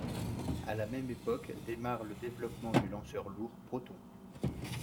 À la même époque démarre le développement du lanceur lourd Proton.